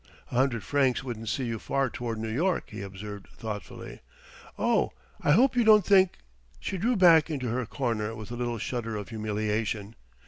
"A hundred francs wouldn't see you far toward New York," he observed thoughtfully. "Oh, I hope you don't think !" She drew back into her corner with a little shudder of humiliation.